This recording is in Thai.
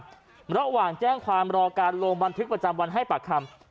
ระหว่างแจ้งความรอการลงบันทึกประจำวันให้ปากคำ